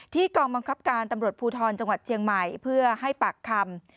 กองบังคับการตำรวจภูทรจังหวัดเชียงใหม่เพื่อให้ปากคำ